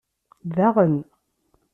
Daɣen.